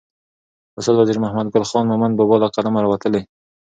استاد وزیر محمدګل خان مومند بابا له قلمه راوتلې.